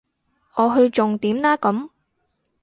我去重點啦咁